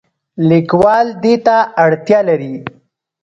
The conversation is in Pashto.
لیکوال دې ته اړتیا لري.